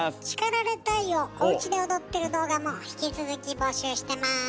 「叱られたい！」をおうちで踊ってる動画も引き続き募集してます。